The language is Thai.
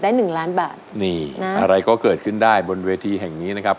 หนึ่งล้านบาทนี่นะอะไรก็เกิดขึ้นได้บนเวทีแห่งนี้นะครับ